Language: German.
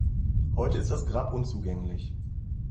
Heute ist das Grab unzugänglich.